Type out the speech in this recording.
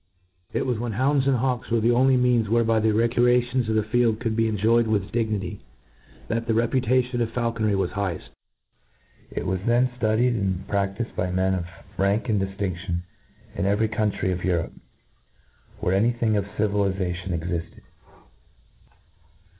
It was when hounds and hawks were the only means whereby the recreations of the field could be enjoyed with dignity, that the reputation of faulconry was higheft. It was then ftudied and pradifed by men of rank and diftin6lion in every country of Europe, where any thing of civiliza tion e^fted.